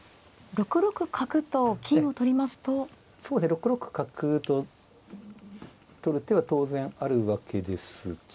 ６六角と取る手は当然あるわけですが。